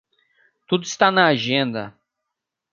Tudo está na agenda.